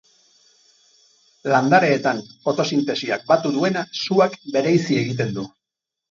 Landareetan fotosintesiak batu duena, suak bereizi egiten du.